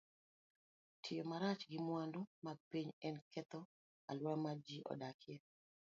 Tiyo marach gi mwandu mag piny en ketho alwora ma ji odakie.